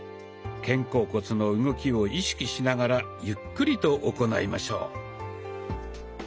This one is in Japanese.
肩甲骨の動きを意識しながらゆっくりと行いましょう。